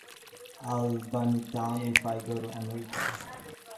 I will burn it down if I go to America.